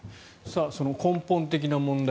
根本的な問題